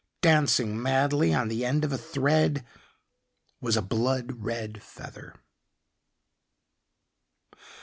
Dancing madly on the end of a thread was a blood red feather.